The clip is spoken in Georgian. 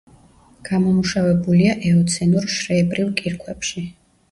გამომუშავებულია ეოცენურ შრეებრივ კირქვებში.